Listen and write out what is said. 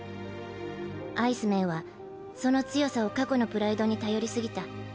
アイスメンはその強さを過去のプライドに頼りすぎた。